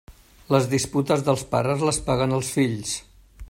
Les disputes dels pares les paguen els fills.